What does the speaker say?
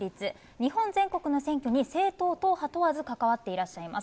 日本全国の選挙に、政党、党は問わず、関わっていらっしゃいます。